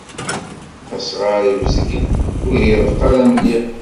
Asɣar ibezgen ur ireɣɣ ara mliḥ.